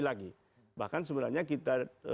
lagi bahkan sebenarnya kita